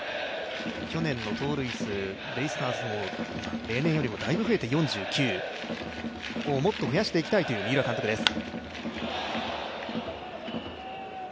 去年の盗塁数、例年よりもだいぶ増えた４９、ここをもっと増やしていきたいという三浦監督です。